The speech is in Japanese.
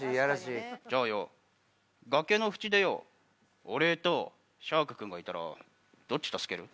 じゃあよ崖の淵でよ俺とシャークくんがいたらどっち助ける？